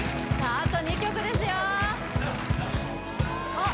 あと２曲ですよあっ